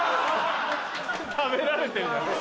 食べられてんじゃない。